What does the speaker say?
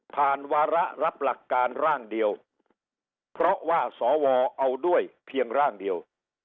วาระรับหลักการร่างเดียวเพราะว่าสวเอาด้วยเพียงร่างเดียว